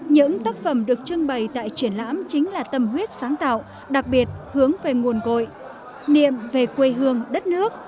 những tác phẩm được trưng bày tại triển lãm chính là tâm huyết sáng tạo đặc biệt hướng về nguồn cội niệm về quê hương đất nước